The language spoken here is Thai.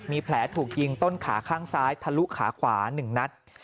มีแผลถูกยิงต้นขาข้างซ้ายทะลุขาขวา๑นัด